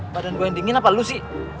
badan gue yang dingin apa lu sih